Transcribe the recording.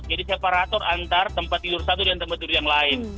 jadi separator antar tempat tidur satu dan tempat tidur yang lain